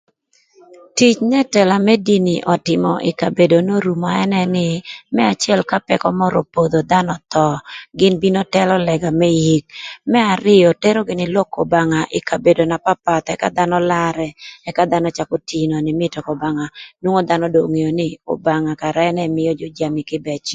Tic n'ëtëla më dini ötïmö ï kabedo n'orumo ënë nï, më acël ka pëkö mörö opodho dhanö öthö gïn bino tëlö lëga më ik. Më arïö, tero gïnï lok k'Obanga ï kabedo na papath ëka dhanö larë ëka dhanö cakö tino nïmïtö k'Obanga nwongo dhanö do ongeo nï Obanga kara ënë mïö jö jami kïbëc